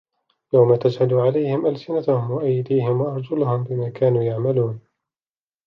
يَوْمَ تَشْهَدُ عَلَيْهِمْ أَلْسِنَتُهُمْ وَأَيْدِيهِمْ وَأَرْجُلُهُمْ بِمَا كَانُوا يَعْمَلُونَ